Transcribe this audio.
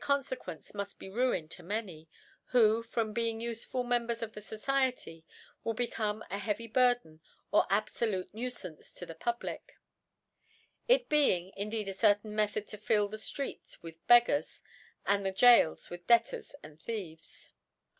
Conftqqence mud be Ruin to many) who from being ufefui Members of the Society will becofiie a heavy Burden or abfolute Nuifance to the Public. It being indeed a certain Method to fill the Streets with Beggars, and the Goals with Debtors and Thieves.